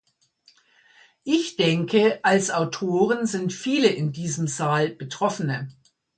Ich denke, als Autoren sind viele in diesem Saal Betroffene.